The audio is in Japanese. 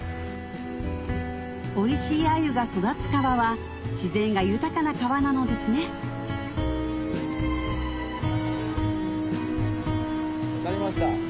おいしいアユが育つ川は自然が豊かな川なのですね掛かりました。